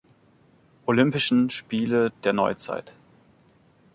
Olympischen Spiele der Neuzeit.